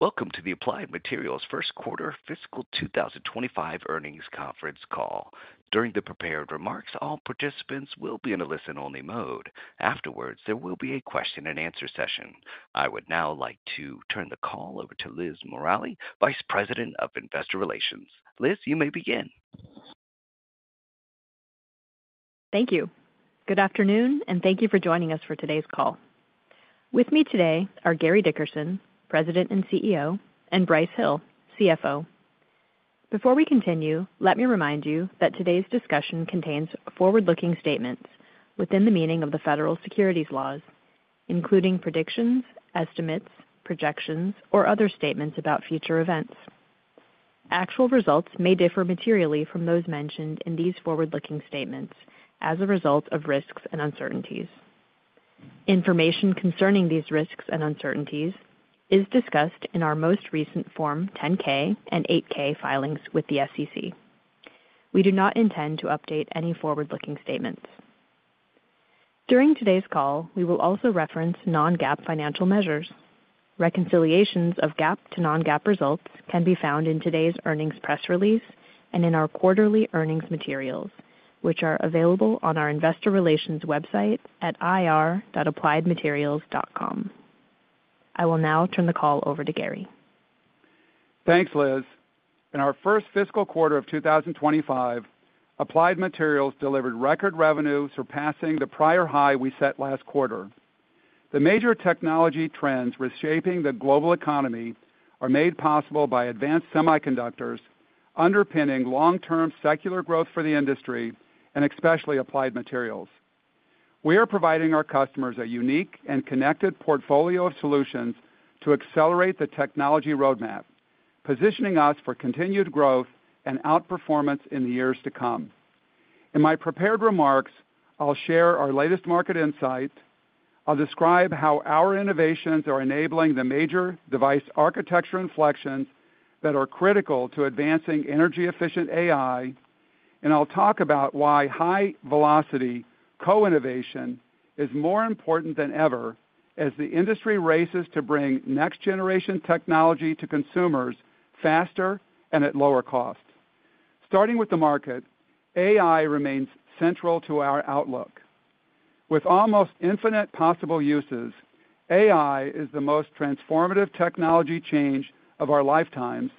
Welcome to the Applied Materials Q1 fiscal 2025 Earnings Conference Call. During the prepared remarks, all participants will be in a listen-only mode. Afterwards, there will be a question-and-answer session. I would now like to turn the call over to Liz Morali, Vice President of Investor Relations. Liz, you may begin. Thank you. Good afternoon, and thank you for joining us for today's call. With me today are Gary Dickerson, President and CEO, and Brice Hill, CFO. Before we continue, let me remind you that today's discussion contains forward-looking statements within the meaning of the federal securities laws, including predictions, estimates, projections, or other statements about future events. Actual results may differ materially from those mentioned in these forward-looking statements as a result of risks and uncertainties. Information concerning these risks and uncertainties is discussed in our most recent Form 10-K and 8-K filings with the SEC. We do not intend to update any forward-looking statements. During today's call, we will also reference non-GAAP financial measures. Reconciliations of GAAP to non-GAAP results can be found in today's earnings press release and in our quarterly earnings materials, which are available on our Investor Relations website at ir.appliedmaterials.com. I will now turn the call over to Gary. Thanks, Liz. In our first fiscal quarter of 2025, Applied Materials delivered record revenue, surpassing the prior high we set last quarter. The major technology trends reshaping the global economy are made possible by advanced semiconductors, underpinning long-term secular growth for the industry, and especially Applied Materials. We are providing our customers a unique and connected portfolio of solutions to accelerate the technology roadmap, positioning us for continued growth and outperformance in the years to come. In my prepared remarks, I'll share our latest market insight. I'll describe how our innovations are enabling the major device architecture inflections that are critical to advancing energy-efficient AI, and I'll talk about why high-velocity co-innovation is more important than ever as the industry races to bring next-generation technology to consumers faster and at lower cost. Starting with the market, AI remains central to our outlook. With almost infinite possible uses, AI is the most transformative technology change of our lifetimes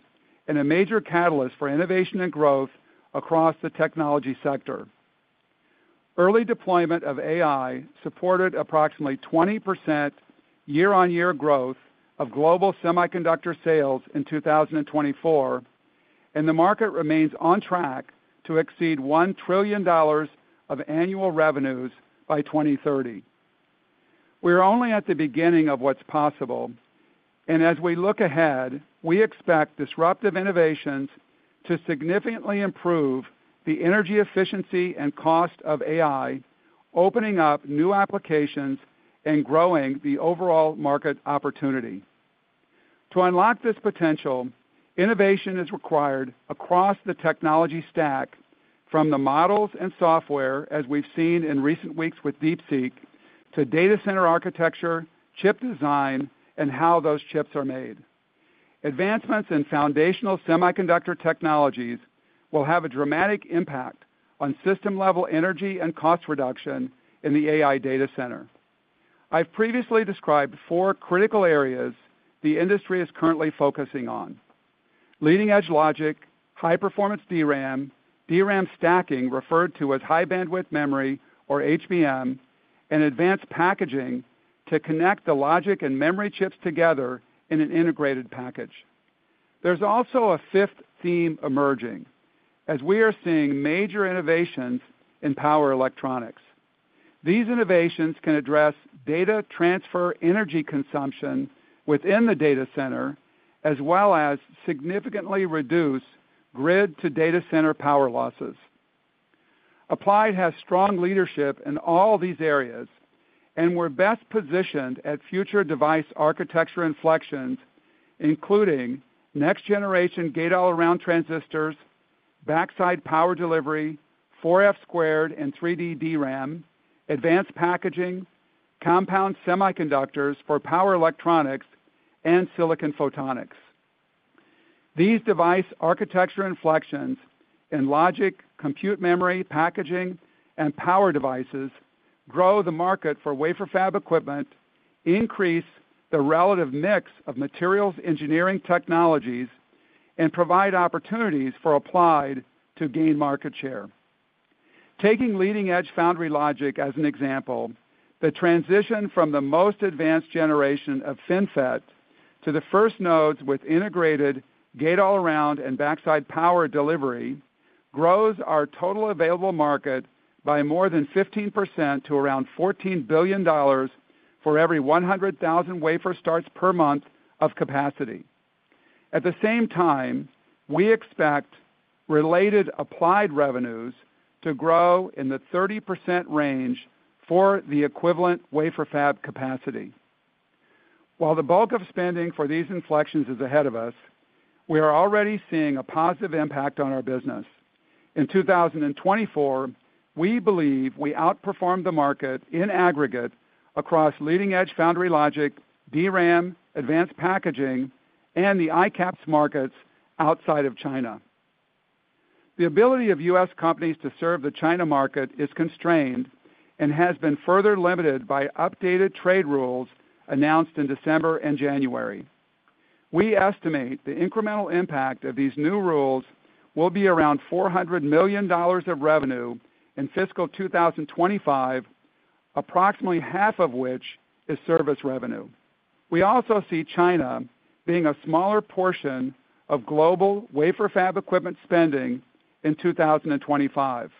and a major catalyst for innovation and growth across the technology sector. Early deployment of AI supported approximately 20% year-on-year growth of global semiconductor sales in 2024, and the market remains on track to exceed $1 trillion of annual revenues by 2030. We are only at the beginning of what's possible, and as we look ahead, we expect disruptive innovations to significantly improve the energy efficiency and cost of AI, opening up new applications and growing the overall market opportunity. To unlock this potential, innovation is required across the technology stack, from the models and software, as we've seen in recent weeks with DeepSeek, to data center architecture, chip design, and how those chips are made. Advancements in foundational semiconductor technologies will have a dramatic impact on system-level energy and cost reduction in the AI data center. I've previously described four critical areas the industry is currently focusing on: leading-edge logic, high-performance DRAM, DRAM stacking referred to as high-bandwidth memory or HBM, and advanced packaging to connect the logic and memory chips together in an integrated package. There's also a fifth theme emerging, as we are seeing major innovations in power electronics. These innovations can address data transfer energy consumption within the data center, as well as significantly reduce grid-to-data center power losses. Applied has strong leadership in all these areas, and we're best positioned at future device architecture inflections, including next-generation gate-all-around transistors, backside power delivery, 4F squared and 3D DRAM, advanced packaging, compound semiconductors for power electronics, and silicon photonics. These device architecture inflections in logic, compute memory, packaging, and power devices grow the market for wafer fab equipment, increase the relative mix of materials engineering technologies, and provide opportunities for Applied to gain market share. Taking leading-edge foundry logic as an example, the transition from the most advanced generation of FinFET to the first nodes with integrated gate-all-around and backside power delivery grows our total available market by more than 15% to around $14 billion for every 100,000 wafer starts per month of capacity. At the same time, we expect related Applied revenues to grow in the 30% range for the equivalent wafer fab capacity. While the bulk of spending for these inflections is ahead of us, we are already seeing a positive impact on our business. In 2024, we believe we outperformed the market in aggregate across leading-edge foundry logic, DRAM, advanced packaging, and the ICAPS markets outside of China. The ability of U.S. companies to serve the China market is constrained and has been further limited by updated trade rules announced in December and January. We estimate the incremental impact of these new rules will be around $400 million of revenue in fiscal 2025, approximately half of which is service revenue. We also see China being a smaller portion of global wafer fab equipment spending in 2025.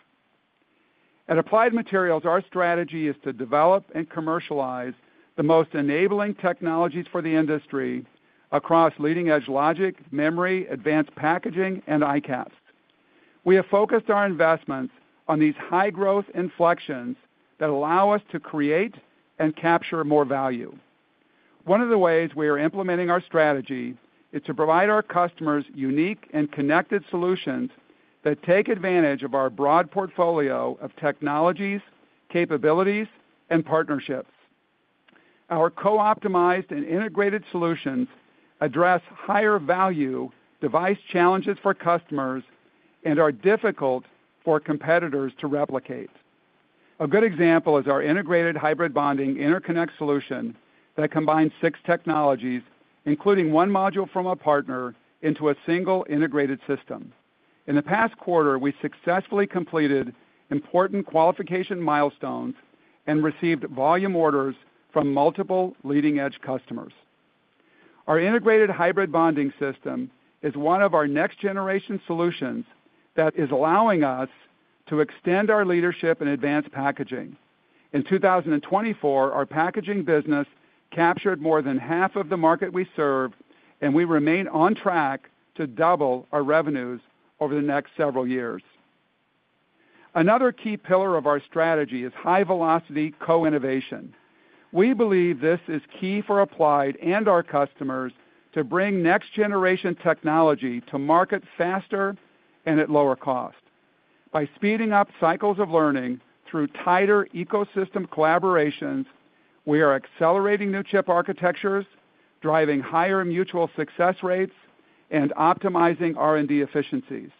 At Applied Materials, our strategy is to develop and commercialize the most enabling technologies for the industry across leading-edge logic, memory, advanced packaging, and ICAPS. We have focused our investments on these high-growth inflections that allow us to create and capture more value. One of the ways we are implementing our strategy is to provide our customers unique and connected solutions that take advantage of our broad portfolio of technologies, capabilities, and partnerships. Our co-optimized and integrated solutions address higher-value device challenges for customers and are difficult for competitors to replicate. A good example is our integrated hybrid bonding interconnect solution that combines six technologies, including one module from a partner, into a single integrated system. In the past quarter, we successfully completed important qualification milestones and received volume orders from multiple leading-edge customers. Our integrated hybrid bonding system is one of our next-generation solutions that is allowing us to extend our leadership in advanced packaging. In 2024, our packaging business captured more than half of the market we serve, and we remain on track to double our revenues over the next several years. Another key pillar of our strategy is high-velocity co-innovation. We believe this is key for Applied and our customers to bring next-generation technology to market faster and at lower cost. By speeding up cycles of learning through tighter ecosystem collaborations, we are accelerating new chip architectures, driving higher mutual success rates, and optimizing R&D efficiencies.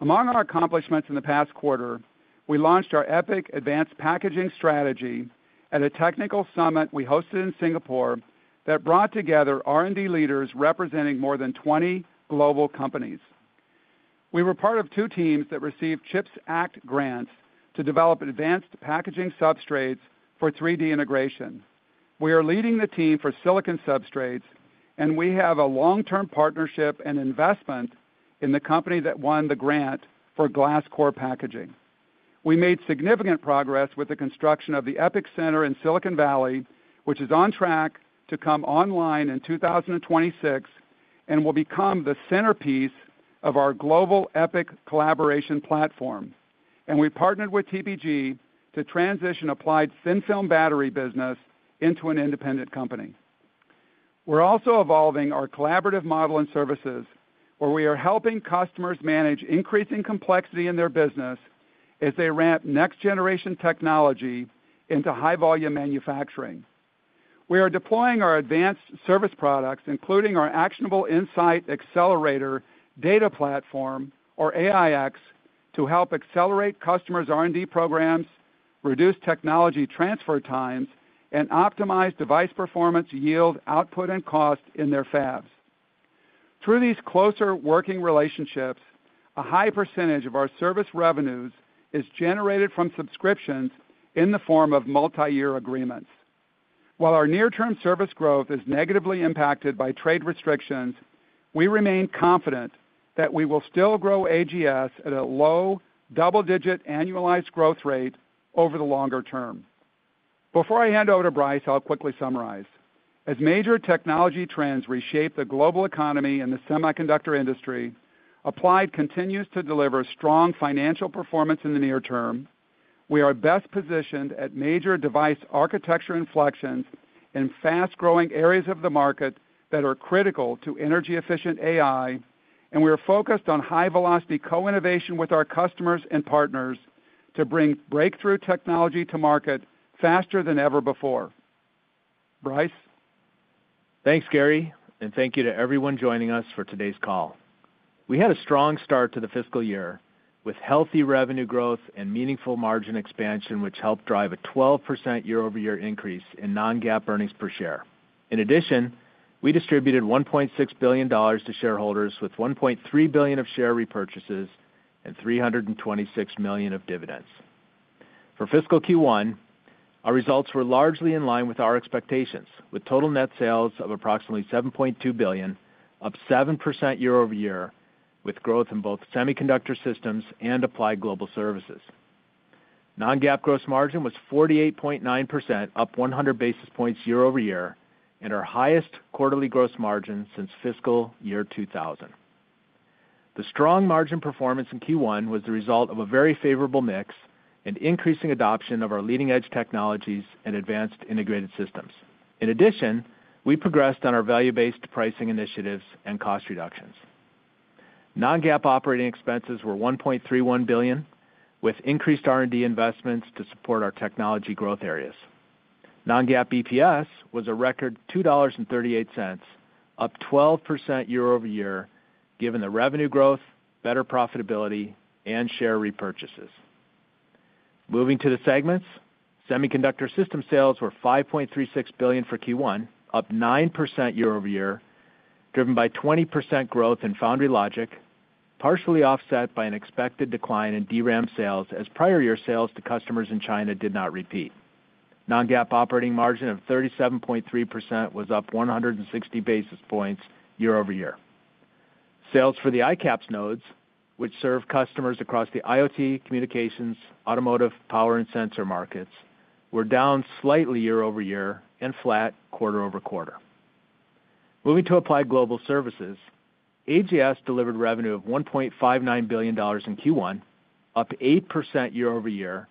Among our accomplishments in the past quarter, we launched our EPIC Advanced Packaging strategy at a technical summit we hosted in Singapore that brought together R&D leaders representing more than 20 global companies. We were part of two teams that received CHIPS Act grants to develop advanced packaging substrates for 3D integration. We are leading the team for silicon substrates, and we have a long-term partnership and investment in the company that won the grant for glass core packaging. We made significant progress with the construction of the EPIC Center in Silicon Valley, which is on track to come online in 2026 and will become the centerpiece of our global EPIC collaboration platform, and we partnered with TPG to transition Applied's thin film battery business into an independent company. We're also evolving our collaborative model and services, where we are helping customers manage increasing complexity in their business as they ramp next-generation technology into high-volume manufacturing. We are deploying our advanced service products, including our Actionable Insight Accelerator data platform, or AIx, to help accelerate customers' R&D programs, reduce technology transfer times, and optimize device performance, yield, output, and cost in their fabs. Through these closer working relationships, a high percentage of our service revenues is generated from subscriptions in the form of multi-year agreements. While our near-term service growth is negatively impacted by trade restrictions, we remain confident that we will still grow AGS at a low double-digit annualized growth rate over the longer term. Before I hand over to Brice, I'll quickly summarize. As major technology trends reshape the global economy and the semiconductor industry, Applied continues to deliver strong financial performance in the near term. We are best positioned at major device architecture inflections in fast-growing areas of the market that are critical to energy-efficient AI, and we are focused on high-velocity co-innovation with our customers and partners to bring breakthrough technology to market faster than ever before. Brice. Thanks, Gary, and thank you to everyone joining us for today's call. We had a strong start to the fiscal year with healthy revenue growth and meaningful margin expansion, which helped drive a 12% year-over-year increase in Non-GAAP earnings per share. In addition, we distributed $1.6 billion to shareholders with $1.3 billion of share repurchases and $326 million of dividends. For fiscal Q1, our results were largely in line with our expectations, with total net sales of approximately $7.2 billion, up 7% year-over-year, with growth in both semiconductor systems and Applied Global Services. Non-GAAP gross margin was 48.9%, up 100 basis points year-over-year, and our highest quarterly gross margin since fiscal year 2000. The strong margin performance in Q1 was the result of a very favorable mix and increasing adoption of our leading-edge technologies and advanced integrated systems. In addition, we progressed on our value-based pricing initiatives and cost reductions. Non-GAAP operating expenses were $1.31 billion, with increased R&D investments to support our technology growth areas. Non-GAAP EPS was a record $2.38, up 12% year-over-year, given the revenue growth, better profitability, and share repurchases. Moving to the segments, semiconductor system sales were $5.36 billion for Q1, up 9% year-over-year, driven by 20% growth in foundry logic, partially offset by an expected decline in DRAM sales as prior year sales to customers in China did not repeat. Non-GAAP operating margin of 37.3% was up 160 basis points year-over-year. Sales for the ICAPS nodes, which serve customers across the IoT, communications, automotive, power, and sensor markets, were down slightly year-over-year and flat quarter-over-quarter. Moving to Applied Global Services, AGS delivered revenue of $1.59 billion in Q1, up 8% year-over-year,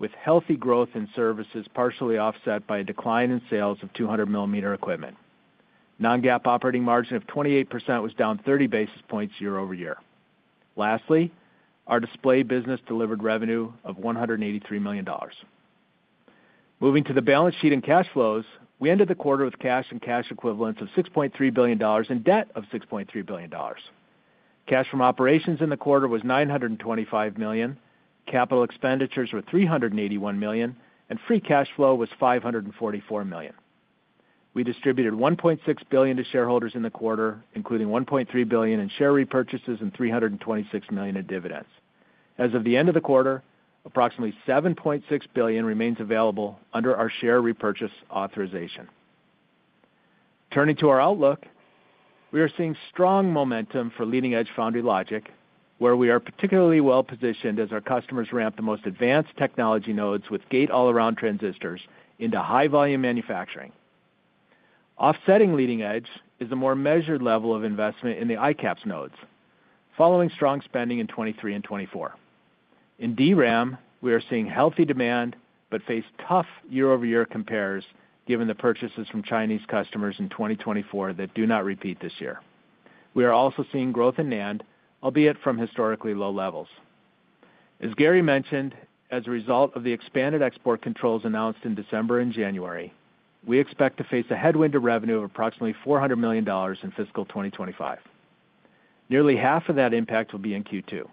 with healthy growth in services partially offset by a decline in sales of 200-millimeter equipment. Non-GAAP operating margin of 28% was down 30 basis points year-over-year. Lastly, our display business delivered revenue of $183 million. Moving to the balance sheet and cash flows, we ended the quarter with cash and cash equivalents of $6.3 billion and debt of $6.3 billion. Cash from operations in the quarter was $925 million, capital expenditures were $381 million, and free cash flow was $544 million. We distributed $1.6 billion to shareholders in the quarter, including $1.3 billion in share repurchases and $326 million in dividends. As of the end of the quarter, approximately $7.6 billion remains available under our share repurchase authorization. Turning to our outlook, we are seeing strong momentum for leading-edge foundry logic, where we are particularly well positioned as our customers ramp the most advanced technology nodes with gate-all-around transistors into high-volume manufacturing. Offsetting leading edge is the more measured level of investment in the ICAPS nodes, following strong spending in 2023 and 2024. In DRAM, we are seeing healthy demand but face tough year-over-year compares given the purchases from Chinese customers in 2024 that do not repeat this year. We are also seeing growth in NAND, albeit from historically low levels. As Gary mentioned, as a result of the expanded export controls announced in December and January, we expect to face a headwind to revenue of approximately $400 million in fiscal 2025. Nearly half of that impact will be in Q2.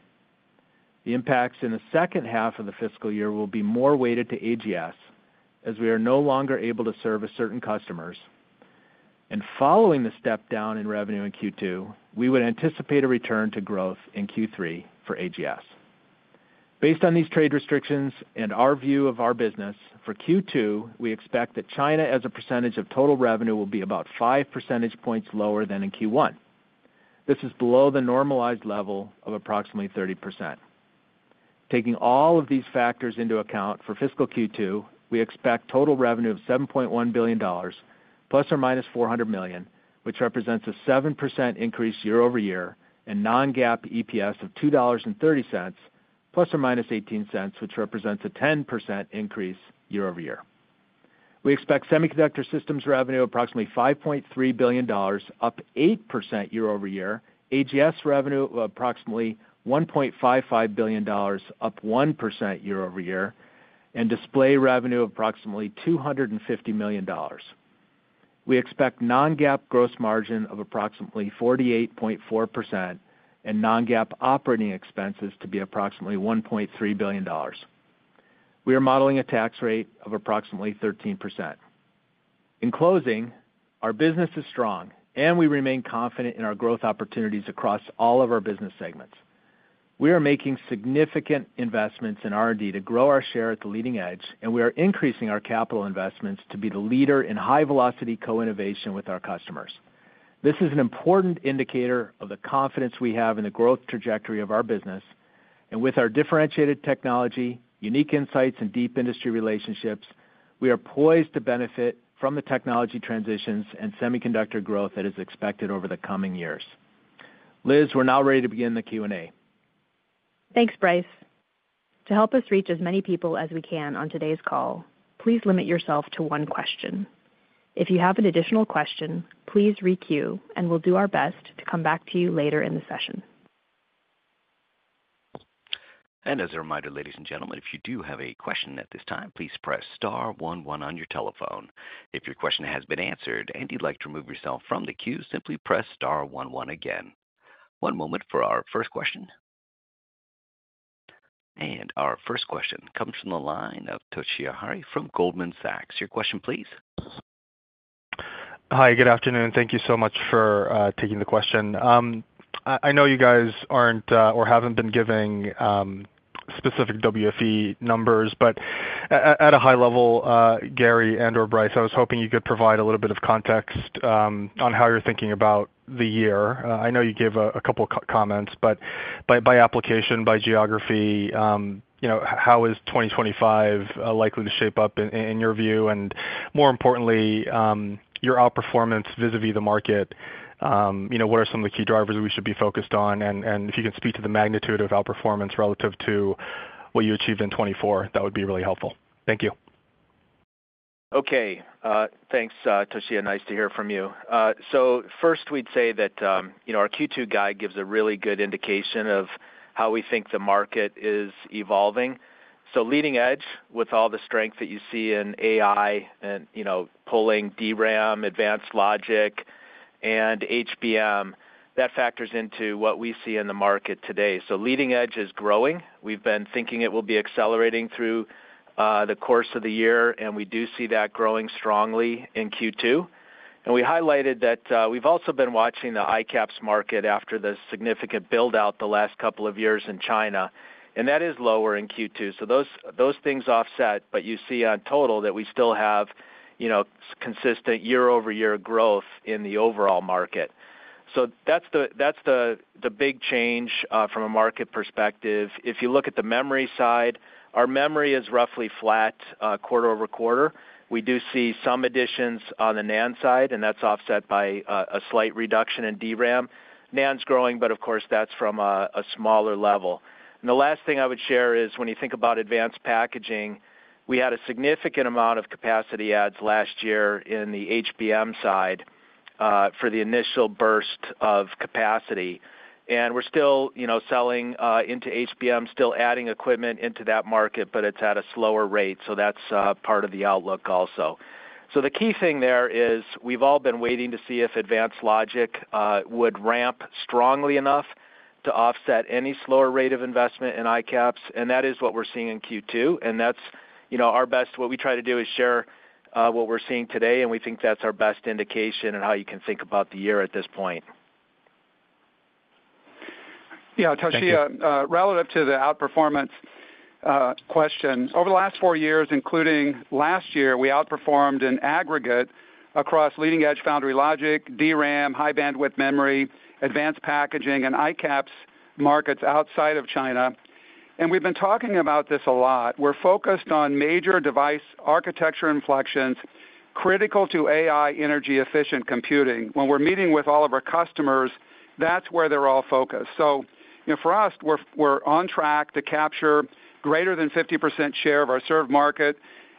The impacts in the second half of the fiscal year will be more weighted to AGS as we are no longer able to serve certain customers, and following the step down in revenue in Q2, we would anticipate a return to growth in Q3 for AGS. Based on these trade restrictions and our view of our business, for Q2, we expect that China as a percentage of total revenue will be about 5 percentage points lower than in Q1. This is below the normalized level of approximately 30%. Taking all of these factors into account for fiscal Q2, we expect total revenue of $7.1 billion, plus or minus $400 million, which represents a 7% increase year-over-year, and non-GAAP EPS of $2.30, plus or minus $0.18, which represents a 10% increase year-over-year. We expect semiconductor systems revenue of approximately $5.3 billion, up 8% year-over-year, AGS revenue of approximately $1.55 billion, up 1% year-over-year, and display revenue of approximately $250 million. We expect non-GAAP gross margin of approximately 48.4% and non-GAAP operating expenses to be approximately $1.3 billion. We are modeling a tax rate of approximately 13%. In closing, our business is strong, and we remain confident in our growth opportunities across all of our business segments. We are making significant investments in R&D to grow our share at the leading edge, and we are increasing our capital investments to be the leader in high-velocity co-innovation with our customers. This is an important indicator of the confidence we have in the growth trajectory of our business, and with our differentiated technology, unique insights, and deep industry relationships, we are poised to benefit from the technology transitions and semiconductor growth that is expected over the coming years. Liz, we're now ready to begin the Q&A. Thanks, Brice. To help us reach as many people as we can on today's call, please limit yourself to one question. If you have an additional question, please re-queue, and we'll do our best to come back to you later in the session. As a reminder, ladies and gentlemen, if you do have a question at this time, please press star 11 on your telephone. If your question has been answered and you'd like to remove yourself from the queue, simply press star 11 again. One moment for our first question. Our first question comes from the line of Toshiya Hari from Goldman Sachs. Your question, please. Hi, good afternoon. Thank you so much for taking the question. I know you guys aren't or haven't been giving specific WFE numbers, but at a high level, Gary and/or Brice, I was hoping you could provide a little bit of context on how you're thinking about the year. I know you gave a couple of comments, but by application, by geography, how is 2025 likely to shape up in your view? And more importantly, your outperformance vis-à-vis the market, what are some of the key drivers we should be focused on? And if you can speak to the magnitude of outperformance relative to what you achieved in 2024, that would be really helpful. Thank you. Okay. Thanks, Toshiya. Nice to hear from you. So first, we'd say that our Q2 guide gives a really good indication of how we think the market is evolving. So leading edge, with all the strength that you see in AI and pulling DRAM, advanced logic, and HBM, that factors into what we see in the market today. So leading edge is growing. We've been thinking it will be accelerating through the course of the year, and we do see that growing strongly in Q2. And we highlighted that we've also been watching the ICAPS market after the significant build-out the last couple of years in China, and that is lower in Q2. So those things offset, but you see on total that we still have consistent year-over-year growth in the overall market. So that's the big change from a market perspective. If you look at the memory side, our memory is roughly flat quarter-over-quarter. We do see some additions on the NAND side, and that's offset by a slight reduction in DRAM. NAND's growing, but of course, that's from a smaller level, and the last thing I would share is when you think about advanced packaging, we had a significant amount of capacity adds last year in the HBM side for the initial burst of capacity, and we're still selling into HBM, still adding equipment into that market, but it's at a slower rate, so that's part of the outlook also, so the key thing there is we've all been waiting to see if advanced logic would ramp strongly enough to offset any slower rate of investment in ICAPS, and that is what we're seeing in Q2, and that's our best. What we try to do is share what we're seeing today, and we think that's our best indication of how you can think about the year at this point. Yeah, Toshiya, relative to the outperformance question, over the last four years, including last year, we outperformed in aggregate across leading-edge foundry logic, DRAM, high-bandwidth memory, advanced packaging, and ICAPS markets outside of China. And we've been talking about this a lot. We're focused on major device architecture inflections critical to AI energy-efficient computing. When we're meeting with all of our customers, that's where they're all focused. So for us, we're on track to capture greater than 50% share of our served market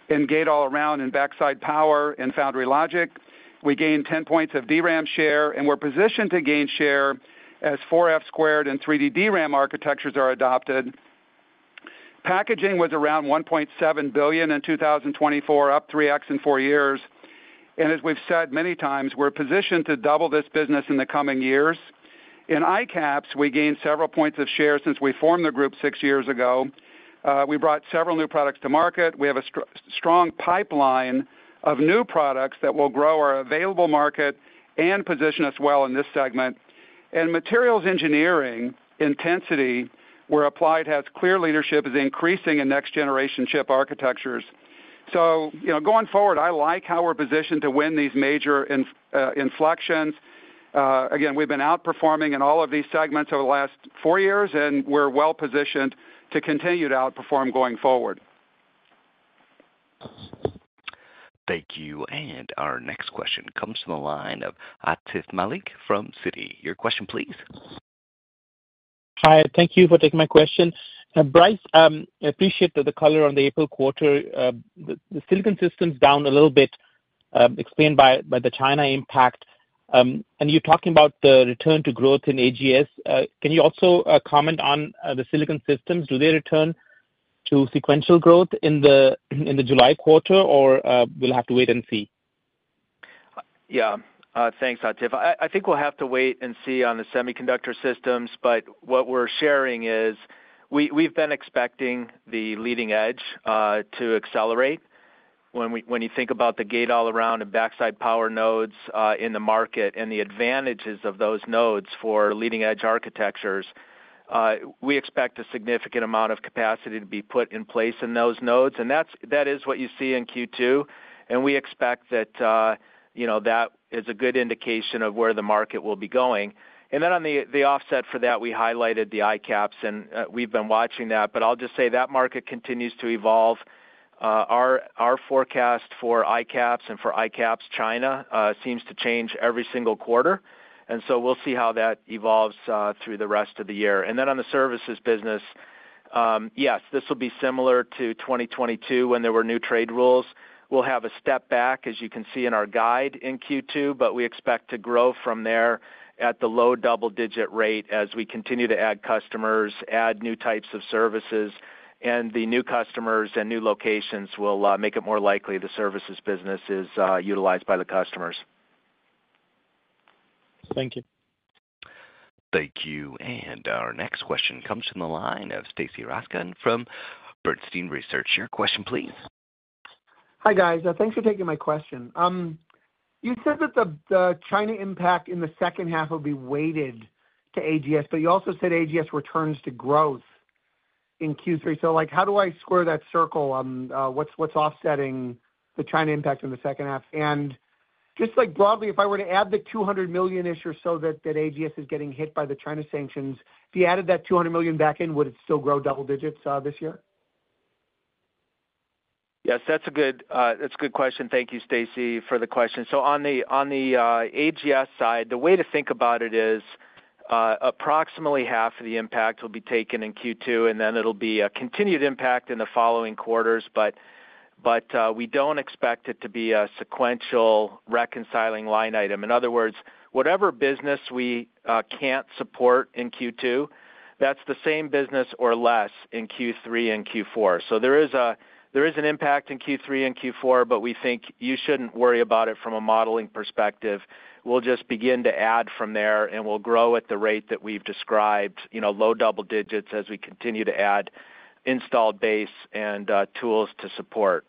in gate-all-around and backside power in foundry logic. We gained 10 points of DRAM share, and we're positioned to gain share as 4F squared and 3D DRAM architectures are adopted. Packaging was around $1.7 billion in 2024, up 3x in four years. And as we've said many times, we're positioned to double this business in the coming years. In ICAPS, we gained several points of share since we formed the group six years ago. We brought several new products to market. We have a strong pipeline of new products that will grow our available market and position us well in this segment. And materials engineering intensity, where Applied has clear leadership, is increasing in next-generation chip architectures. So going forward, I like how we're positioned to win these major inflections. Again, we've been outperforming in all of these segments over the last four years, and we're well positioned to continue to outperform going forward. Thank you. And our next question comes from the line of Atif Malik from Citi. Your question, please. Hi, thank you for taking my question. Brice, I appreciate the color on the April quarter. The silicon system's down a little bit, explained by the China impact, and you're talking about the return to growth in AGS. Can you also comment on the silicon systems? Do they return to sequential growth in the July quarter, or we'll have to wait and see? Yeah, thanks, Atif. I think we'll have to wait and see on the semiconductor systems. But what we're sharing is we've been expecting the leading edge to accelerate. When you think about the gate-all-around and backside power nodes in the market and the advantages of those nodes for leading-edge architectures, we expect a significant amount of capacity to be put in place in those nodes. And that is what you see in Q2. And we expect that that is a good indication of where the market will be going. And then on the offset for that, we highlighted the ICAPS, and we've been watching that. But I'll just say that market continues to evolve. Our forecast for ICAPS and for ICAPS China seems to change every single quarter. And so we'll see how that evolves through the rest of the year. And then on the services business, yes, this will be similar to 2022 when there were new trade rules. We'll have a step back, as you can see in our guide, in Q2, but we expect to grow from there at the low double-digit rate as we continue to add customers, add new types of services. And the new customers and new locations will make it more likely the services business is utilized by the customers. Thank you. Thank you. And our next question comes from the line of Stacy Rasgon from Bernstein Research. Your question, please. Hi, guys. Thanks for taking my question. You said that the China impact in the second half will be weighted to AGS, but you also said AGS returns to growth in Q3. So how do I square that circle on what's offsetting the China impact in the second half? And just broadly, if I were to add the $200 million-ish or so that AGS is getting hit by the China sanctions, if you added that $200 million back in, would it still grow double digits this year? Yes, that's a good question. Thank you, Stacy, for the question. So on the AGS side, the way to think about it is approximately half of the impact will be taken in Q2, and then it'll be a continued impact in the following quarters. But we don't expect it to be a sequential reconciling line item. In other words, whatever business we can't support in Q2, that's the same business or less in Q3 and Q4. So there is an impact in Q3 and Q4, but we think you shouldn't worry about it from a modeling perspective. We'll just begin to add from there, and we'll grow at the rate that we've described, low double digits as we continue to add installed base and tools to support.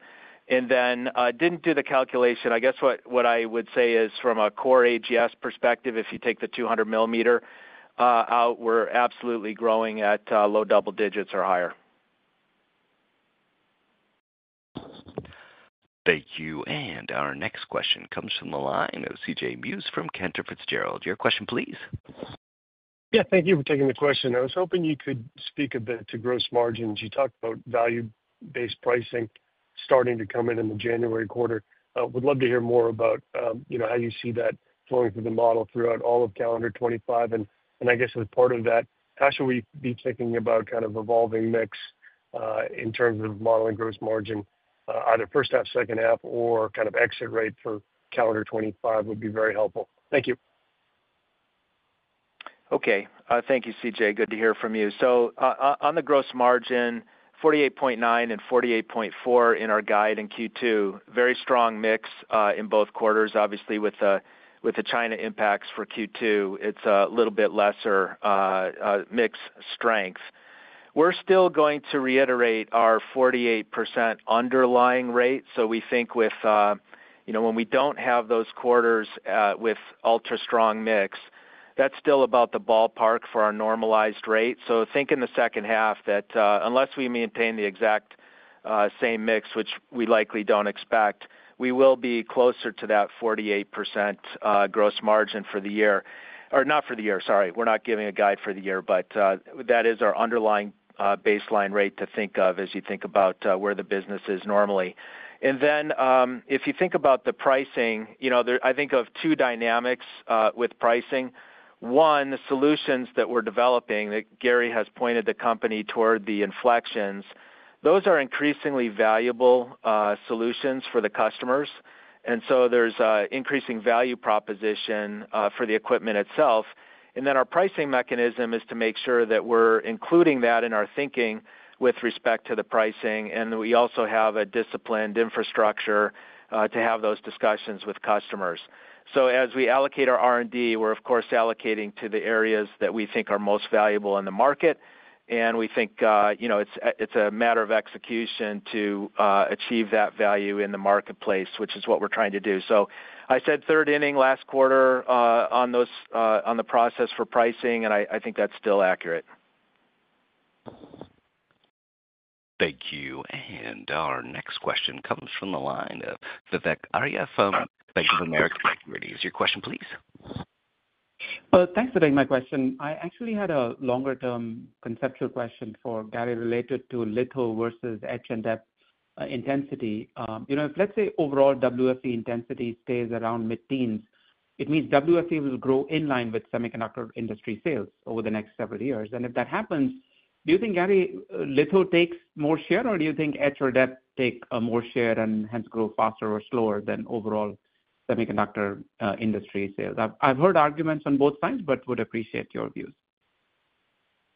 And then I didn't do the calculation. I guess what I would say is from a core AGS perspective, if you take the 200 millimeter out, we're absolutely growing at low double digits or higher. Thank you. And our next question comes from the line of CJ Muse from Cantor Fitzgerald. Your question, please. Yeah, thank you for taking the question. I was hoping you could speak a bit to gross margins. You talked about value-based pricing starting to come in in the January quarter. Would love to hear more about how you see that flowing through the model throughout all of calendar 2025. And I guess as part of that, how should we be thinking about kind of evolving mix in terms of modeling gross margin, either first half, second half, or kind of exit rate for calendar 2025 would be very helpful. Thank you. Okay. Thank you, CJ. Good to hear from you. So on the gross margin, 48.9% and 48.4% in our guide in Q2, very strong mix in both quarters, obviously with the China impacts for Q2. It's a little bit lesser mix strength. We're still going to reiterate our 48% underlying rate. So we think when we don't have those quarters with ultra-strong mix, that's still about the ballpark for our normalized rate. So think in the second half that unless we maintain the exact same mix, which we likely don't expect, we will be closer to that 48% gross margin for the year. Or not for the year, sorry. We're not giving a guide for the year, but that is our underlying baseline rate to think of as you think about where the business is normally. And then if you think about the pricing, I think of two dynamics with pricing. One, the solutions that we're developing that Gary has pointed the company toward the inflections, those are increasingly valuable solutions for the customers. And so there's increasing value proposition for the equipment itself. And then our pricing mechanism is to make sure that we're including that in our thinking with respect to the pricing. And we also have a disciplined infrastructure to have those discussions with customers. So as we allocate our R&D, we're, of course, allocating to the areas that we think are most valuable in the market. And we think it's a matter of execution to achieve that value in the marketplace, which is what we're trying to do. So I said third inning last quarter on the process for pricing, and I think that's still accurate. Thank you. Our next question comes from the line of Vivek Arya from Bank of America Securities. Your question, please. Thanks for taking my question. I actually had a longer-term conceptual question for Gary related to logic versus HBM intensity. If, let's say, overall WFE intensity stays around mid-teens, it means WFE will grow in line with semiconductor industry sales over the next several years, and if that happens, do you think, Gary, logic takes more share, or do you think HBM take more share and hence grow faster or slower than overall semiconductor industry sales? I've heard arguments on both sides, but would appreciate your views.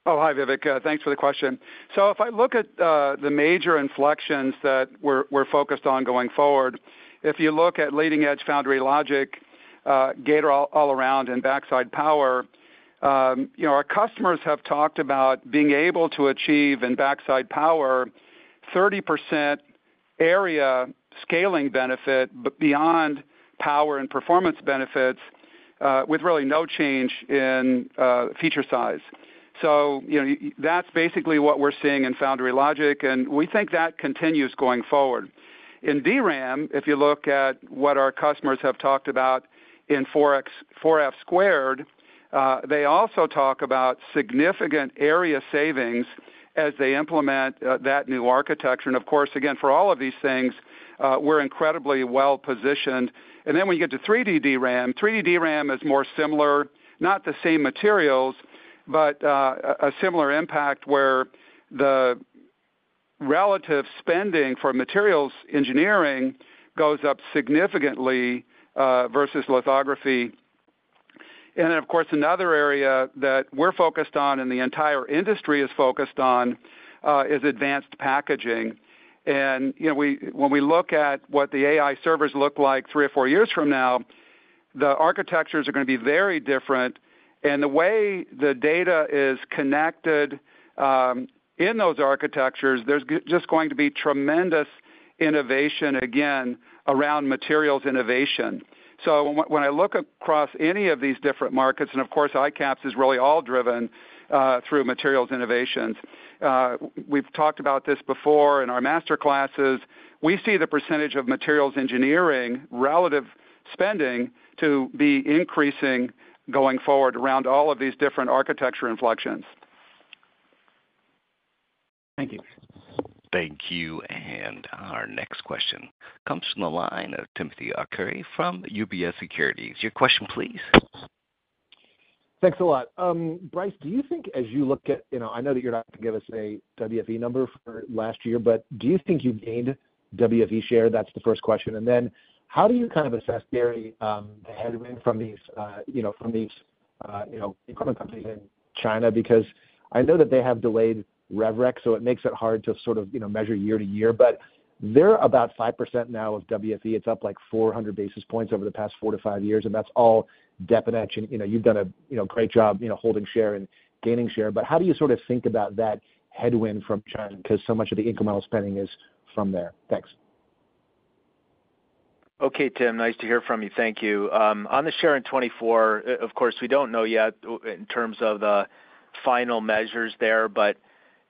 Oh, hi, Vivek. Thanks for the question. So if I look at the major inflections that we're focused on going forward, if you look at leading-edge foundry logic, gate-all-around, and backside power, our customers have talked about being able to achieve in backside power 30% area scaling benefit beyond power and performance benefits with really no change in feature size. That's basically what we're seeing in foundry logic, and we think that continues going forward. In DRAM, if you look at what our customers have talked about in 4F squared, they also talk about significant area savings as they implement that new architecture. Of course, again, for all of these things, we're incredibly well positioned. Then when you get to 3D DRAM, 3D DRAM is more similar, not the same materials, but a similar impact where the relative spending for materials engineering goes up significantly versus lithography. And then, of course, another area that we're focused on and the entire industry is focused on is advanced packaging. And when we look at what the AI servers look like three or four years from now, the architectures are going to be very different. And the way the data is connected in those architectures, there's just going to be tremendous innovation, again, around materials innovation. So when I look across any of these different markets, and of course, ICAPS is really all driven through materials innovations. We've talked about this before in our master classes. We see the percentage of materials engineering relative spending to be increasing going forward around all of these different architecture inflections. Thank you. Thank you. And our next question comes from the line of Timothy Arcuri from UBS. Your question, please. Thanks a lot. Brice, do you think as you look at? I know that you're not going to give us a WFE number for last year, but do you think you've gained WFE share? That's the first question. And then how do you kind of assess, Gary, the headwind from these equipment companies in China? Because I know that they have delayed rev rec, so it makes it hard to sort of measure year-to-year. But they're about 5% now of WFE. It's up like 400 basis points over the past four to five years. And that's all deep tech. And you've done a great job holding share and gaining share. But how do you sort of think about that headwind from China because so much of the incremental spending is from there? Thanks. Okay, Tim, nice to hear from you. Thank you. On the share in 2024, of course, we don't know yet in terms of the final measures there. But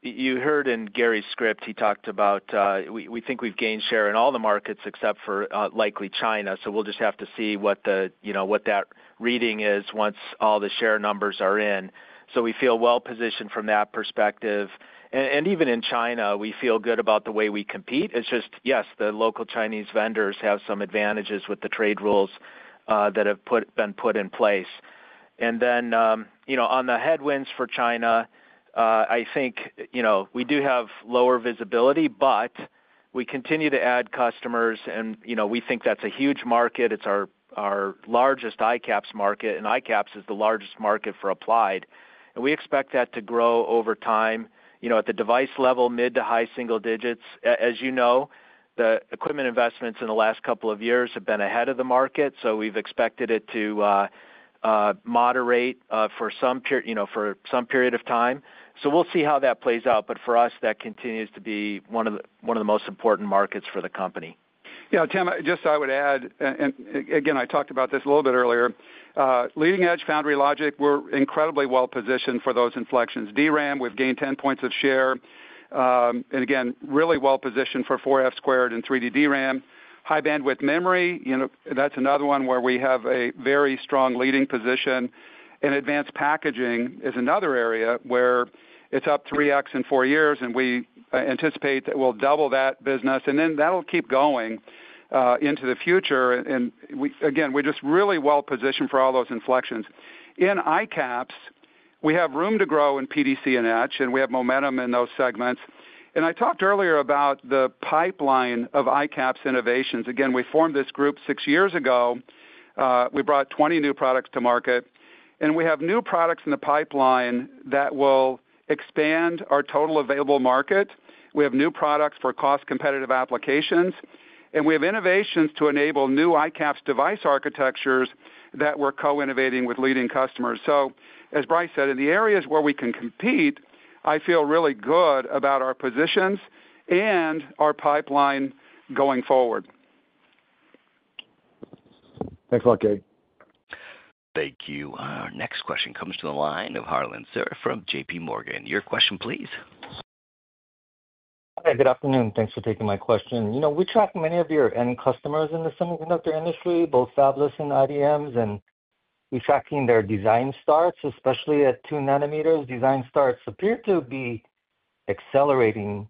you heard in Gary's script, he talked about we think we've gained share in all the markets except for likely China. So we'll just have to see what that reading is once all the share numbers are in. So we feel well positioned from that perspective. And even in China, we feel good about the way we compete. It's just, yes, the local Chinese vendors have some advantages with the trade rules that have been put in place. And then on the headwinds for China, I think we do have lower visibility, but we continue to add customers. And we think that's a huge market. It's our largest ICAPS market. And ICAPS is the largest market for Applied. And we expect that to grow over time at the device level, mid- to high-single digits. As you know, the equipment investments in the last couple of years have been ahead of the market. So we've expected it to moderate for some period of time. So we'll see how that plays out. But for us, that continues to be one of the most important markets for the company. Yeah, Tim. Just, I would add, and again, I talked about this a little bit earlier: leading-edge foundry logic. We're incredibly well positioned for those inflections. DRAM. We've gained 10 points of share, and again, really well positioned for 4F squared and 3D DRAM. High-bandwidth memory. That's another one where we have a very strong leading position, and advanced packaging is another area where it's up 3x in four years, and we anticipate that we'll double that business, and then that'll keep going into the future, and again, we're just really well positioned for all those inflections. In ICAPS, we have room to grow in PDC and etch, and we have momentum in those segments, and I talked earlier about the pipeline of ICAPS innovations. Again, we formed this group six years ago. We brought 20 new products to market. And we have new products in the pipeline that will expand our total available market. We have new products for cost-competitive applications. And we have innovations to enable new ICAPS device architectures that we're co-innovating with leading customers. So as Brice said, in the areas where we can compete, I feel really good about our positions and our pipeline going forward. Thanks a lot, Gary. Thank you. Our next question comes from the line of Harlan Sur from JPMorgan. Your question, please. Hi, good afternoon. Thanks for taking my question. We track many of your end customers in the semiconductor industry, both fabless and IDMs. And we're tracking their design starts, especially at 2-nanometer. Design starts appear to be accelerating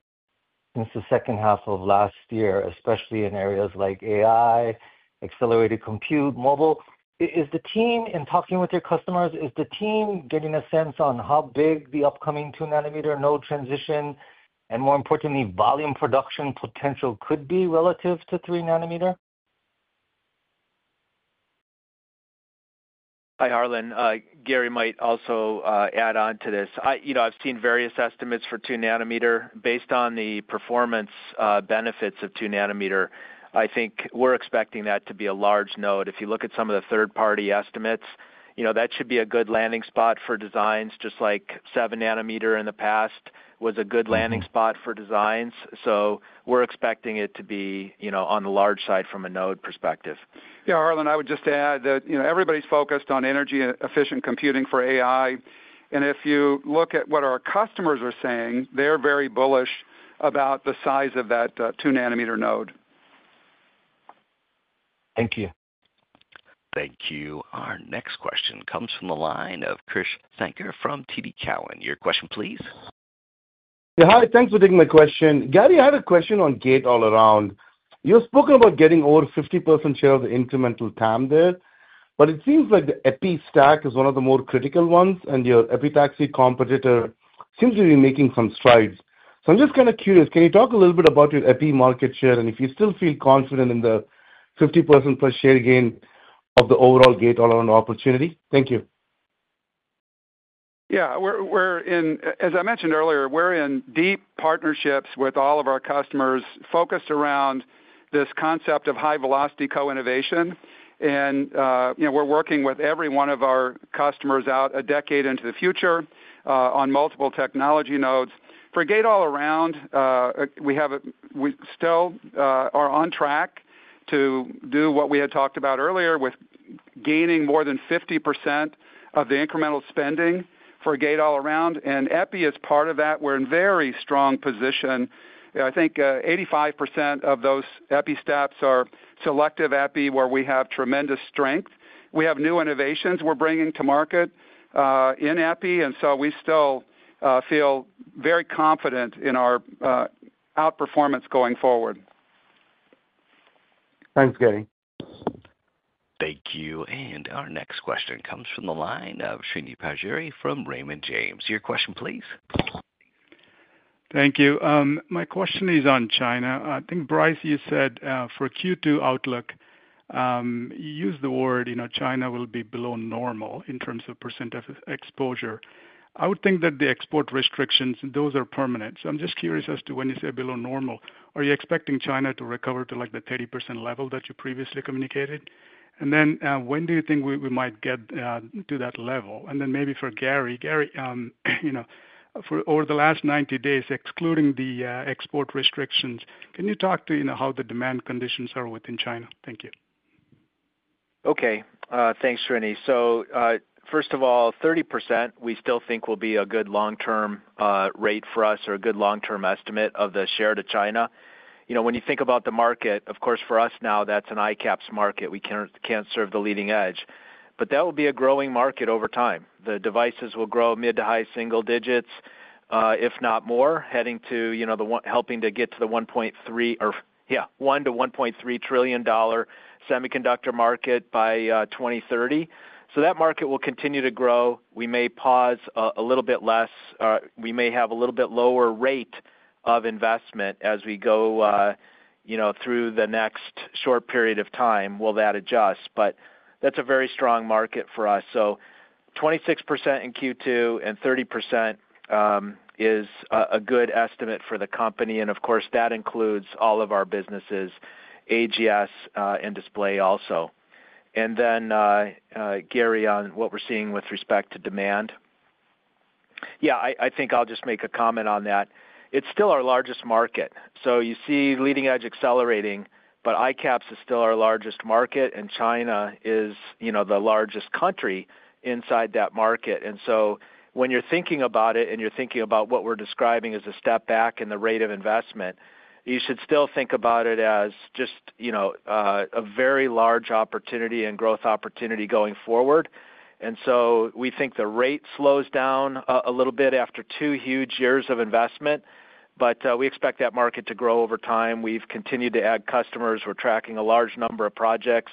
since the second half of last year, especially in areas like AI, accelerated compute, mobile. Is the team in talking with your customers, is the team getting a sense on how big the upcoming 2-nanometer node transition and, more importantly, volume production potential could be relative to 3-nanometer? Hi, Harlan. Gary might also add on to this. I've seen various estimates for 2-nanometer based on the performance benefits of 2-nanometer. I think we're expecting that to be a large node. If you look at some of the third-party estimates, that should be a good landing spot for designs. Just like 7-nanometer in the past was a good landing spot for designs. So we're expecting it to be on the large side from a node perspective. Yeah, Harlan, I would just add that everybody's focused on energy-efficient computing for AI and if you look at what our customers are saying, they're very bullish about the size of that 2-nanometer node. Thank you. Thank you. Our next question comes from the line of Krish Sankar from TD Cowen. Your question, please. Yeah, hi, thanks for taking my question. Gary, I have a question on gate-all-around. You've spoken about getting over 50% share of the incremental TAM there. But it seems like the EPI stack is one of the more critical ones, and your epitaxy competitor seems to be making some strides. So I'm just kind of curious, can you talk a little bit about your EPI market share and if you still feel confident in the 50% plus share gain of the overall gate-all-around opportunity? Thank you. Yeah, as I mentioned earlier, we're in deep partnerships with all of our customers focused around this concept of high-velocity co-innovation. And we're working with every one of our customers out a decade into the future on multiple technology nodes. For gate-all-around, we still are on track to do what we had talked about earlier with gaining more than 50% of the incremental spending for gate-all-around. And EPI is part of that. We're in a very strong position. I think 85% of those EPI steps are selective EPI where we have tremendous strength. We have new innovations we're bringing to market in EPI. And so we still feel very confident in our outperformance going forward. Thanks, Gary. Thank you. And our next question comes from the line of Srini Pajjuri from Raymond James. Your question, please. Thank you. My question is on China. I think, Brice, you said for Q2 outlook, you used the word China will be below normal in terms of percent of exposure. I would think that the export restrictions, those are permanent. So I'm just curious as to when you say below normal, are you expecting China to recover to like the 30% level that you previously communicated? And then when do you think we might get to that level? And then maybe for Gary, Gary, for over the last 90 days, excluding the export restrictions, can you talk to how the demand conditions are within China? Thank you. Okay, thanks, Srini. So first of all, 30%, we still think will be a good long-term rate for us or a good long-term estimate of the share to China. When you think about the market, of course, for us now, that's an ICAPS market. We can't serve the leading edge. But that will be a growing market over time. The devices will grow mid to high single digits, if not more, heading to helping to get to the $1-$1.3 trillion semiconductor market by 2030. So that market will continue to grow. We may pause a little bit less. We may have a little bit lower rate of investment as we go through the next short period of time. Will that adjust? But that's a very strong market for us. So 26% in Q2 and 30% is a good estimate for the company. And of course, that includes all of our businesses, AGS and display also. And then Gary on what we're seeing with respect to demand. Yeah, I think I'll just make a comment on that. It's still our largest market. So you see leading edge accelerating, but ICAPS is still our largest market. And China is the largest country inside that market. And so when you're thinking about it and you're thinking about what we're describing as a step back in the rate of investment, you should still think about it as just a very large opportunity and growth opportunity going forward. And so we think the rate slows down a little bit after two huge years of investment. But we expect that market to grow over time. We've continued to add customers. We're tracking a large number of projects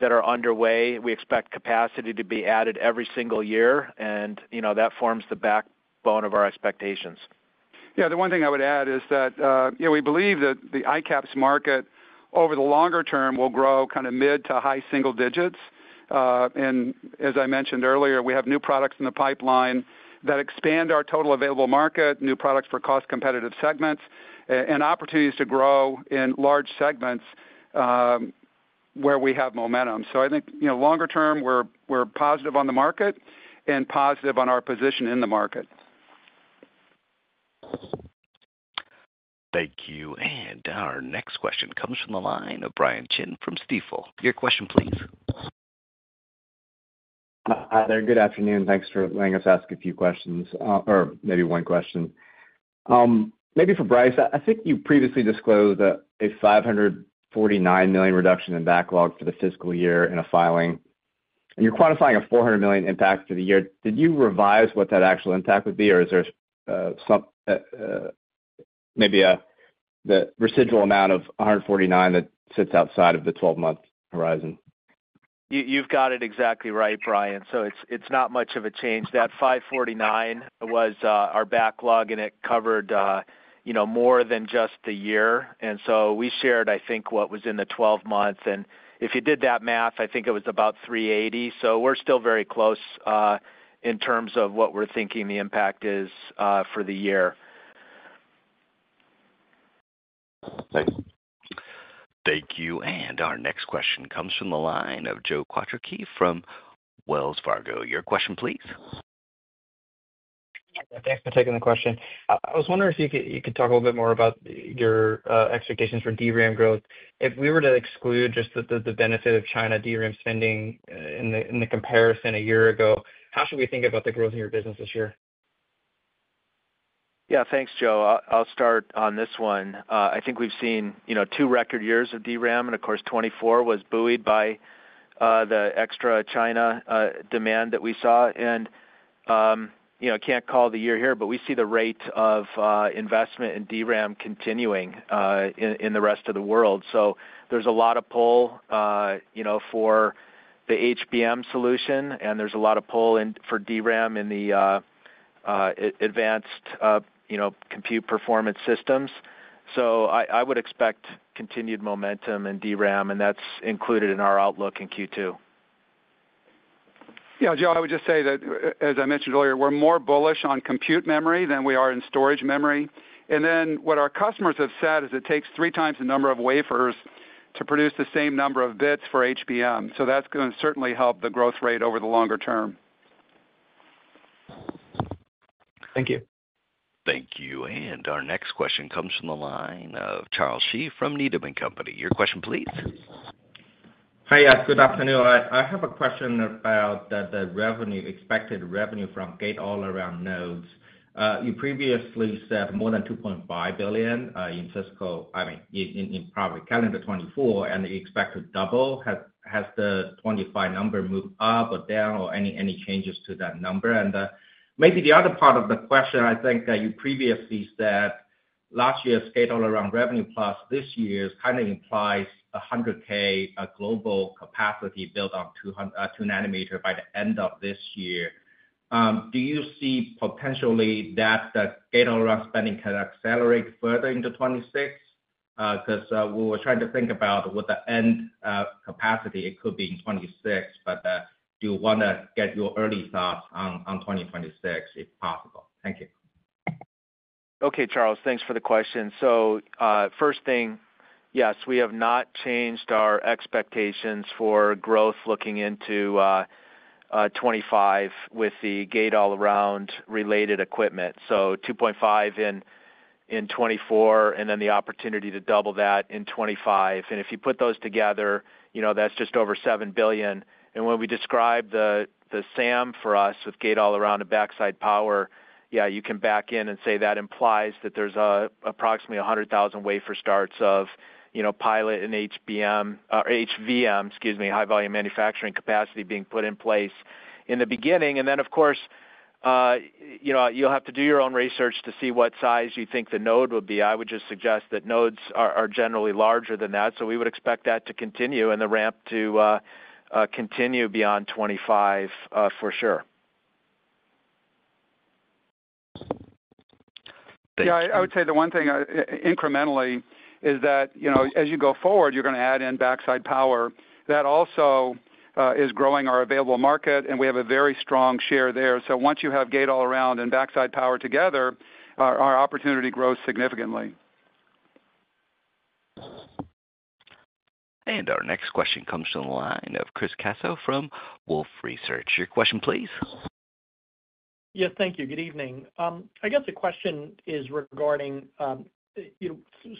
that are underway. We expect capacity to be added every single year, and that forms the backbone of our expectations. Yeah, the one thing I would add is that we believe that the ICAPS market over the longer term will grow kind of mid to high single digits. And as I mentioned earlier, we have new products in the pipeline that expand our total available market, new products for cost-competitive segments, and opportunities to grow in large segments where we have momentum. So I think longer term, we're positive on the market and positive on our position in the market. Thank you. And our next question comes from the line of Brian Chin from Stifel. Your question, please. Hi there. Good afternoon. Thanks for letting us ask a few questions or maybe one question. Maybe for Brice, I think you previously disclosed a $549 million reduction in backlog for the fiscal year in a filing, and you're quantifying a $400 million impact for the year. Did you revise what that actual impact would be, or is there maybe the residual amount of $149 million that sits outside of the 12-month horizon? You've got it exactly right, Brian. So it's not much of a change. That 549 was our backlog, and it covered more than just the year. And so we shared, I think, what was in the 12 months. And if you did that math, I think it was about 380. So we're still very close in terms of what we're thinking the impact is for the year. Thanks. Thank you. And our next question comes from the line of Joe Quatrochi from Wells Fargo. Your question, please. Thanks for taking the question. I was wondering if you could talk a little bit more about your expectations for DRAM growth. If we were to exclude just the benefit of China DRAM spending in the comparison a year ago, how should we think about the growth in your business this year? Yeah, thanks, Joe. I'll start on this one. I think we've seen two record years of DRAM. And of course, 2024 was buoyed by the extra China demand that we saw. And I can't call the year here, but we see the rate of investment in DRAM continuing in the rest of the world. So there's a lot of pull for the HBM solution, and there's a lot of pull for DRAM in the advanced compute performance systems. So I would expect continued momentum in DRAM, and that's included in our outlook in Q2. Yeah, Joe, I would just say that, as I mentioned earlier, we're more bullish on compute memory than we are in storage memory. And then what our customers have said is it takes three times the number of wafers to produce the same number of bits for HBM. So that's going to certainly help the growth rate over the longer term. Thank you. Thank you. And our next question comes from the line of Charles Shi from Needham & Company. Your question, please. Hi, good afternoon. I have a question about the revenue, expected revenue from gate-all-around nodes. You previously said more than $2.5 billion in fiscal, I mean, in probably calendar 2024, and you expect to double. Has the 2025 number moved up or down or any changes to that number? And maybe the other part of the question, I think you previously said last year's gate-all-around revenue plus this year kind of implies 100K global capacity built on 2-nanometer by the end of this year. Do you see potentially that the gate-all-around spending can accelerate further into 2026? Because we were trying to think about what the end capacity it could be in 2026, but do you want to get your early thoughts on 2026 if possible? Thank you. Okay, Charles, thanks for the question. So first thing, yes, we have not changed our expectations for growth looking into 2025 with the gate-all-around related equipment. So $2.5 billion in 2024 and then the opportunity to double that in 2025. And if you put those together, that's just over $7 billion. And when we describe the SAM for us with gate-all-around and backside power, yeah, you can back in and say that implies that there's approximately 100,000 wafer starts of pilot and HBM, or HVM, excuse me, high-volume manufacturing capacity being put in place in the beginning. And then, of course, you'll have to do your own research to see what size you think the node would be. I would just suggest that nodes are generally larger than that. So we would expect that to continue and the ramp to continue beyond 2025 for sure. Yeah, I would say the one thing incrementally is that as you go forward, you're going to add in backside power. That also is growing our available market, and we have a very strong share there. So once you have gate-all-around and backside power together, our opportunity grows significantly. And our next question comes from the line of Chris Caso from Wolfe Research. Your question, please. Yeah, thank you. Good evening. I guess the question is regarding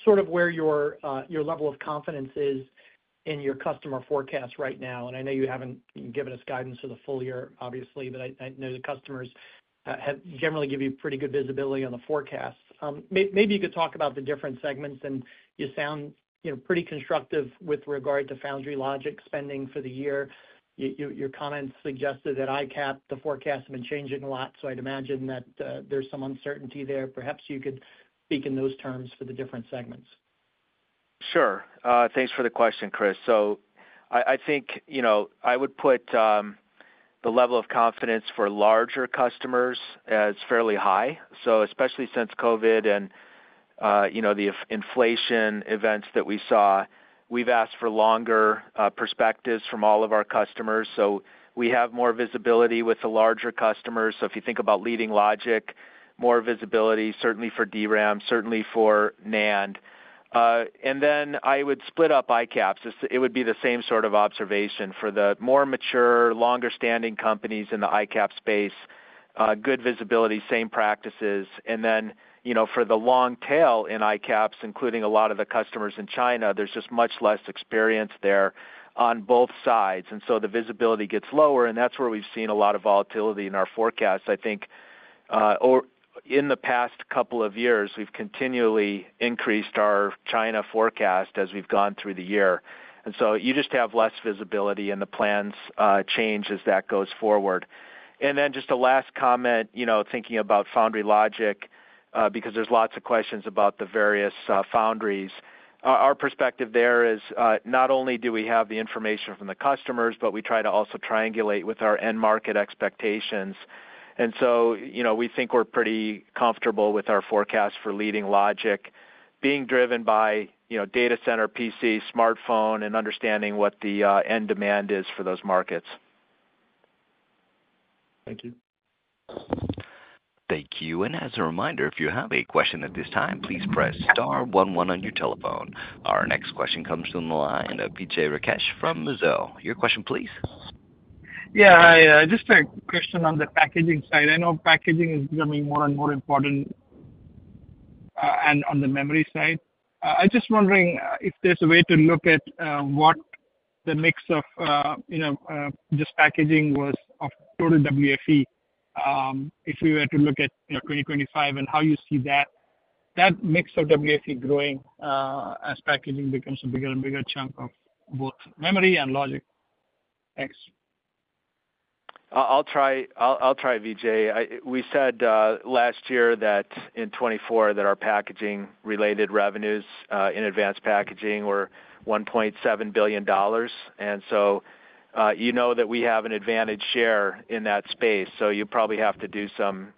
sort of where your level of confidence is in your customer forecast right now. And I know you haven't given us guidance for the full year, obviously, but I know the customers generally give you pretty good visibility on the forecast. Maybe you could talk about the different segments, and you sound pretty constructive with regard to foundry logic spending for the year. Your comments suggested that ICAPS, the forecast, has been changing a lot, so I'd imagine that there's some uncertainty there. Perhaps you could speak in those terms for the different segments. Sure. Thanks for the question, Chris. So I think I would put the level of confidence for larger customers as fairly high. So especially since COVID and the inflation events that we saw, we've asked for longer perspectives from all of our customers. So we have more visibility with the larger customers. So if you think about leading logic, more visibility, certainly for DRAM, certainly for NAND. And then I would split up ICAPS. It would be the same sort of observation for the more mature, longer-standing companies in the ICAPS space, good visibility, same practices. And then for the long tail in ICAPS, including a lot of the customers in China, there's just much less experience there on both sides. And so the visibility gets lower, and that's where we've seen a lot of volatility in our forecasts. I think in the past couple of years, we've continually increased our China forecast as we've gone through the year. And so you just have less visibility, and the plans change as that goes forward. And then just a last comment, thinking about foundry logic, because there's lots of questions about the various foundries. Our perspective there is not only do we have the information from the customers, but we try to also triangulate with our end market expectations. And so we think we're pretty comfortable with our forecast for leading logic being driven by data center, PC, smartphone, and understanding what the end demand is for those markets. Thank you. Thank you. And as a reminder, if you have a question at this time, please press star 11 on your telephone. Our next question comes from the line of Vijay Rakesh from Mizuho. Your question, please. Yeah, hi. Just a question on the packaging side. I know packaging is becoming more and more important on the memory side. I'm just wondering if there's a way to look at what the mix of just packaging was of total WFE if we were to look at 2025 and how you see that mix of WFE growing as packaging becomes a bigger and bigger chunk of both memory and logic. Thanks. I'll try, Vijay. We said last year that in 2024 that our packaging-related revenues in advanced packaging were $1.7 billion, and so you know that we have an advantage share in that space. So you probably have to do some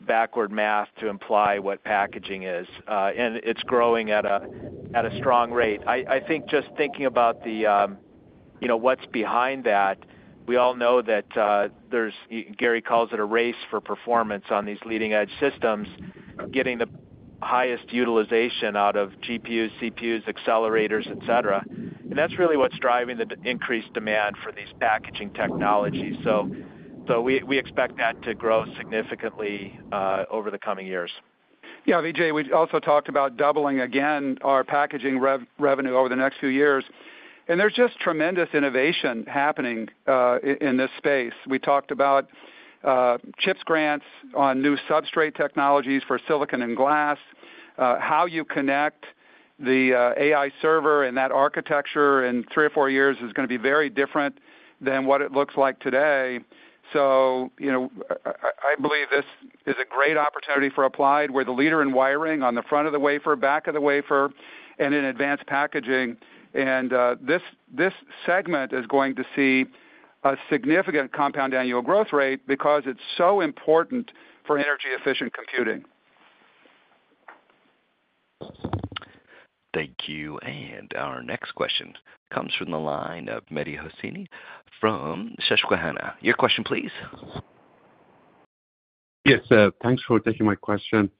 backward math to imply what packaging is, and it's growing at a strong rate. I think just thinking about what's behind that, we all know that as Gary calls it a race for performance on these leading-edge systems, getting the highest utilization out of GPUs, CPUs, accelerators, etc., and that's really what's driving the increased demand for these packaging technologies. So we expect that to grow significantly over the coming years. Yeah, Vijay, we also talked about doubling again our packaging revenue over the next few years. There's just tremendous innovation happening in this space. We talked about CHIPS grants on new substrate technologies for silicon and glass. How you connect the AI server and that architecture in three or four years is going to be very different than what it looks like today. I believe this is a great opportunity for Applied where the leader in wiring on the front of the wafer, back of the wafer, and in advanced packaging. This segment is going to see a significant compound annual growth rate because it's so important for energy-efficient computing. Thank you. And our next question comes from the line of Mehdi Hosseini from Susquehanna. Your question, please. Yes, thanks for taking my question.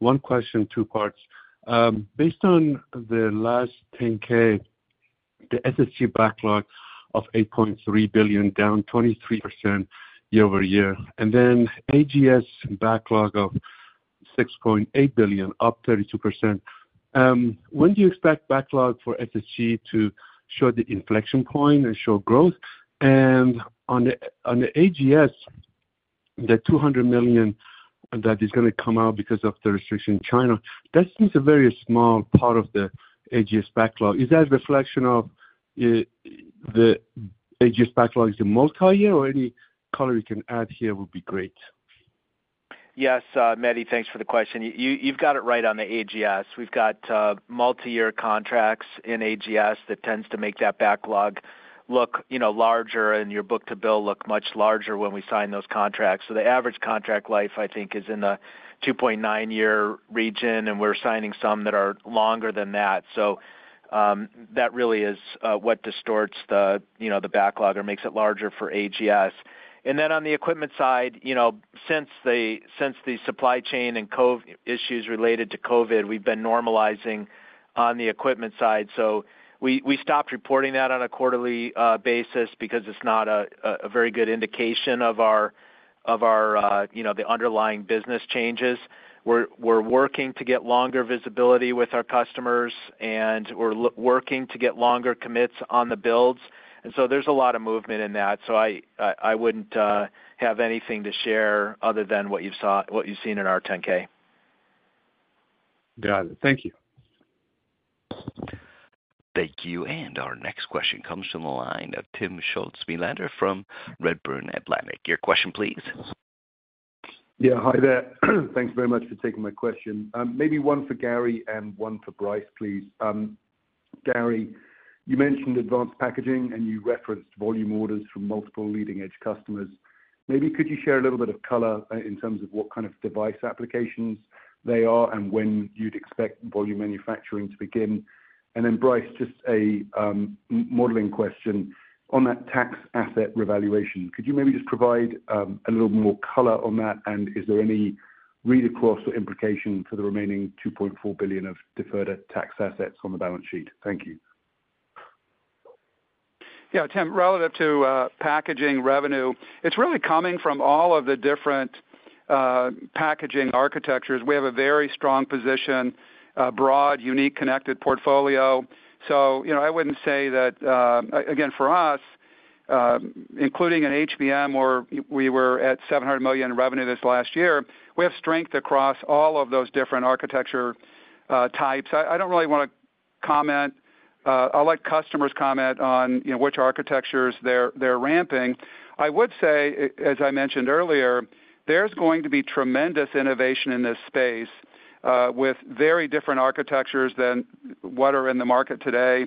One question, two parts. Based on the last 10-K, the SSG backlog of $8.3 billion, down 23% year over year. Then AGS backlog of $6.8 billion, up 32%. When do you expect backlog for SSG to show the inflection point and show growth? On the AGS, the $200 million that is going to come out because of the restriction in China, that seems a very small part of the AGS backlog. Is that a reflection of the AGS backlog is a multi-year or any color you can add here would be great. Yes, Mehdi, thanks for the question. You've got it right on the AGS. We've got multi-year contracts in AGS that tends to make that backlog look larger and your book-to-bill look much larger when we sign those contracts, so the average contract life, I think, is in the 2.9-year region, and we're signing some that are longer than that, so that really is what distorts the backlog or makes it larger for AGS, and then on the equipment side, since the supply chain and COVID issues related to COVID, we've been normalizing on the equipment side, so we stopped reporting that on a quarterly basis because it's not a very good indication of the underlying business changes. We're working to get longer visibility with our customers, and we're working to get longer commits on the builds, and so there's a lot of movement in that. So I wouldn't have anything to share other than what you've seen in our 10-K. Got it. Thank you. Thank you. And our next question comes from the line of Timm Schulze-Melander from Redburn Atlantic. Your question, please. Yeah, hi there. Thanks very much for taking my question. Maybe one for Gary and one for Brice, please. Gary, you mentioned advanced packaging, and you referenced volume orders from multiple leading-edge customers. Maybe could you share a little bit of color in terms of what kind of device applications they are and when you'd expect volume manufacturing to begin? And then Brice, just a modeling question on that tax asset revaluation. Could you maybe just provide a little more color on that? And is there any read across or implication for the remaining $2.4 billion of deferred tax assets on the balance sheet? Thank you. Yeah, Tim, relative to packaging revenue, it's really coming from all of the different packaging architectures. We have a very strong position, broad, unique, connected portfolio. So I wouldn't say that, again, for us, including an HBM, where we were at $700 million in revenue this last year, we have strength across all of those different architecture types. I don't really want to comment. I'll let customers comment on which architectures they're ramping. I would say, as I mentioned earlier, there's going to be tremendous innovation in this space with very different architectures than what are in the market today.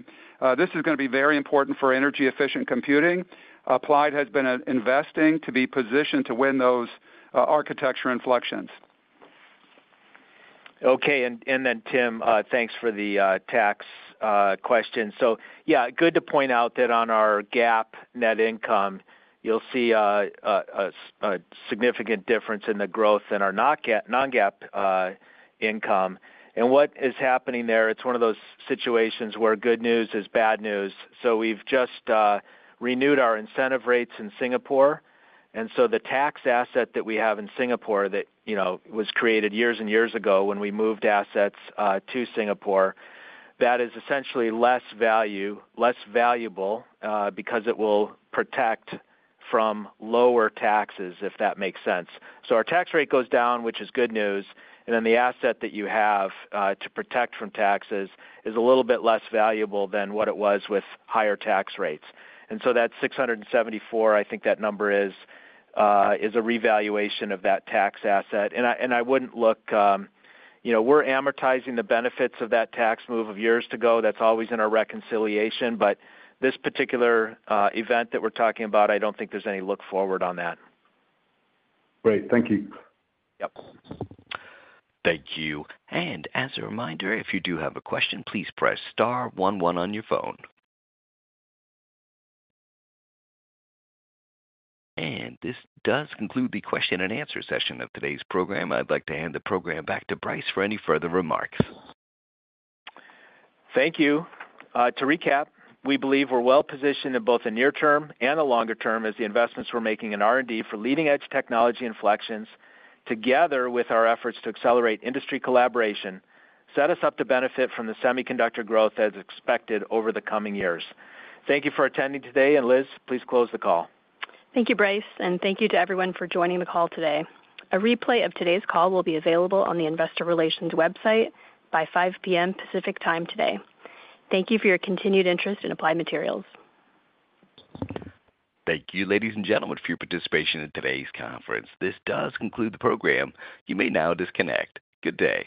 This is going to be very important for energy-efficient computing. Applied has been investing to be positioned to win those architecture inflections. Okay. And then, Timm, thanks for the tax question. So yeah, good to point out that on our GAAP net income, you'll see a significant difference in the growth in our non-GAAP income. And what is happening there, it's one of those situations where good news is bad news. So we've just renewed our incentive rates in Singapore. And so the tax asset that we have in Singapore that was created years and years ago when we moved assets to Singapore, that is essentially less valuable because it will protect from lower taxes, if that makes sense. So our tax rate goes down, which is good news. And then the asset that you have to protect from taxes is a little bit less valuable than what it was with higher tax rates. And so that's 674. I think that number is a revaluation of that tax asset. I wouldn't look. We're amortizing the benefits of that tax move from years ago. That's always in our reconciliation. But this particular event that we're talking about, I don't think there's any look forward on that. Great. Thank you. Yep. Thank you. And as a reminder, if you do have a question, please press star 11 on your phone. And this does conclude the question and answer session of today's program. I'd like to hand the program back to Brice for any further remarks. Thank you. To recap, we believe we're well positioned in both the near term and the longer term as the investments we're making in R&D for leading-edge technology inflections, together with our efforts to accelerate industry collaboration, set us up to benefit from the semiconductor growth as expected over the coming years. Thank you for attending today. And Liz, please close the call. Thank you, Brice. And thank you to everyone for joining the call today. A replay of today's call will be available on the Investor Relations website by 5:00 P.M. Pacific Time today. Thank you for your continued interest in Applied Materials. Thank you, ladies and gentlemen, for your participation in today's conference. This does conclude the program. You may now disconnect. Good day.